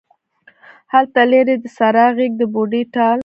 هلته لیرې د سارا غیږ د بوډۍ ټال